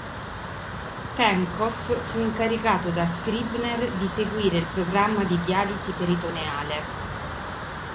Tenckohff fu incaricato da Scribner di seguire il programma di dialisi peritoneale.